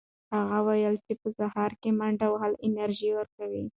هغه وویل چې په سهار کې منډې وهل انرژي ورکوي.